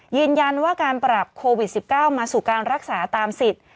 ยืนยันว่าการปรับโควิด๑๙มาสู่การรักษาตามสิทธิ์